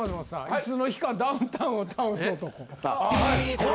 いつの日かダウンタウンを倒す男。